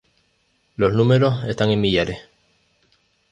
Los números están en millares.